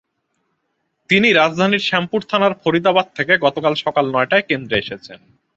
তিনি রাজধানীর শ্যামপুর থানার ফরিদাবাদ থেকে গতকাল সকাল নয়টায় কেন্দ্রে এসেছেন।